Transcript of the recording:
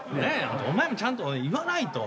お前もちゃんと言わないと。